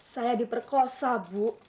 saya diperkosa bu